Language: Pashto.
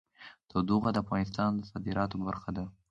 تودوخه د افغانستان د صادراتو برخه ده.